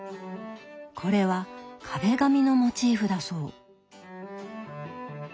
これは壁紙のモチーフだそう。